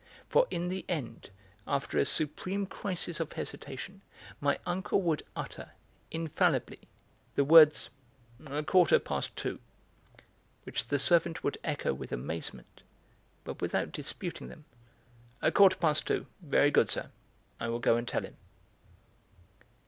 For in the end, after a supreme crisis of hesitation, my uncle would utter, infallibly, the words: "A quarter past two," which the servant would echo with amazement, but without disputing them: "A quarter past two! Very good, sir... I will go and tell him...."